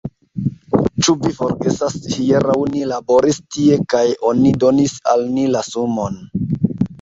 Ĉu vi forgesas hieraŭ ni laboris tie kaj oni donis al ni la sumon!